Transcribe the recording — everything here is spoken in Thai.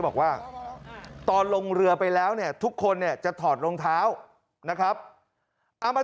บอกว่าตอนลงเรือไปแล้วเนี่ยทุกคนเนี่ยจะถอดรองเท้านะครับเอามา